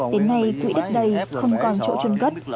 đến nay quỹ đất đầy không còn chỗ trốn cất